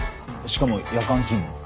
しかも夜間勤務？